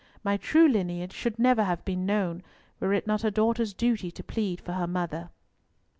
My true lineage should never have been known, were it not a daughter's duty to plead for her mother."